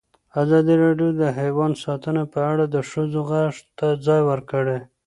ازادي راډیو د حیوان ساتنه په اړه د ښځو غږ ته ځای ورکړی.